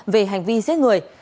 về hành vi giết người